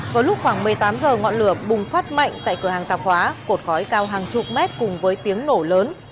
vào lúc khoảng một mươi tám h ngọn lửa bùng phát mạnh tại cửa hàng tạp hóa cột khói cao hàng chục mét cùng với tiếng nổ lớn